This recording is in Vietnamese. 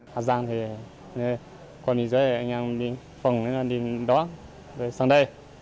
hà giang thì qua biên giới anh em đi phòng anh em đi đó rồi sang đây